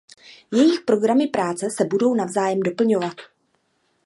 Jejich programy práce se budou navzájem doplňovat.